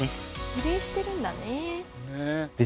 比例してるんだね。